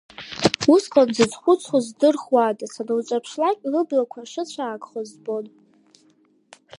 Усҟан дзызхәыцуаз здырхуада, санылҿаԥшлак, лыблақәа шыцәаакхоз збон…